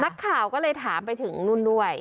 นักข่าวก็เลยถามไปถึงนุ่นด้วย